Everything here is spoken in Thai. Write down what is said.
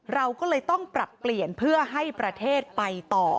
เราก็เลยต้องปรับเปลี่ยนเพื่อให้ประเทศไปต่อ